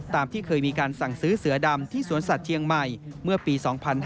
ที่เคยมีการสั่งซื้อเสือดำที่สวนสัตว์เชียงใหม่เมื่อปี๒๕๕๙